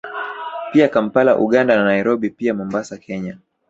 Pia Kampala Uganda na Nairobi pia Mombasa Kenya